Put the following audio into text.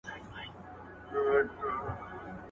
• جولا سوی لا نه ئې، بيا نېچې غلا کوې.